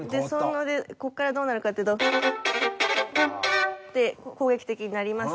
ここからどうなるかっていうと。って攻撃的になります。